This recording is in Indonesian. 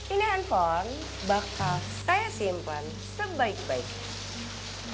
ini handphone bakal saya simpan sebaik baiknya